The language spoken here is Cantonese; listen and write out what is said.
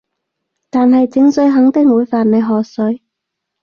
但係井水肯定會犯你河水